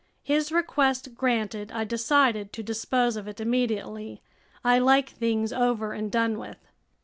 His request granted, I decided to dispose of it immediately. I like things over and done with.